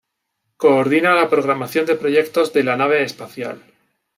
Coordina la programación de proyectos de La Nave Espacial.